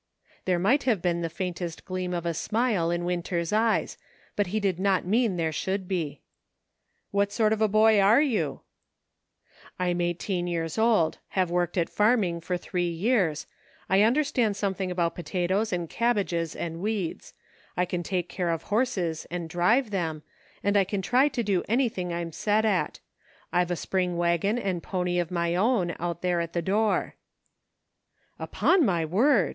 There might have been the faintest gleam of a smile in Winter's eyes, but he did not mean there should be. " What sort of a boy are you }"" I'm eighteen years old ; have worked at farm ing for three years ; I understand something about potatoes and cabbages and weeds ; I can take care of horses and drive them, and I can try to do any 192 HAPPENINGS. thing I'm set at ; I've a spring wagon and pony of my own out there at the door," " Upon my word